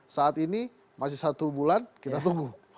saat ini masih satu bulan kita tunggu